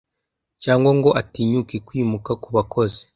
Cyangwa ngo atinyuke kwimuka ku bakozi